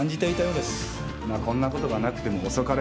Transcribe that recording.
まあこんなことがなくても遅かれ早かれ